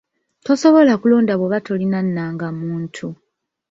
Tosobola kulonda bwoba tolina nnangamuntu.